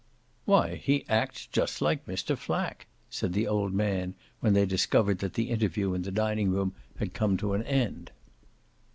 "Why he acts just like Mr. Flack," said the old man when they discovered that the interview in the dining room had come to an end.